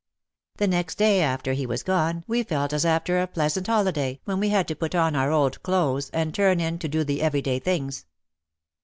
The next day after he was gone we felt as after a pleasant holiday when we had to put on our old clothes and turn in to do the every day things.